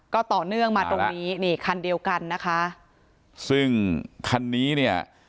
ก็ต่อเนื่องมาตรงนี้นี่คันเดียวกันนะคะซึ่งคันนี้เนี่ย